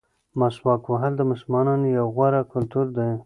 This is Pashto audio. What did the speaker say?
مسواک وهل د مسلمانانو یو غوره کلتور دی.